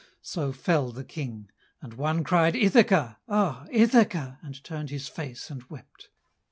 So fell the King! And one cried "Ithaca! Ah, Ithaca!" and turned his face and wept.